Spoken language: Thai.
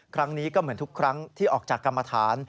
ครั้งนี้ก็เหมือนทุกครั้งที่ออกจากกรรมฐาน